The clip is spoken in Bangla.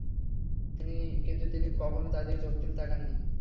কিন্তু তিনি কখনো তার দিকে চোখ তুলে তাকান নি।